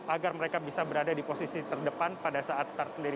agar mereka bisa berada di posisi terdepan pada saat start sendiri